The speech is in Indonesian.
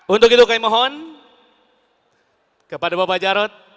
untuk itu kami mohon kepada bapak jarod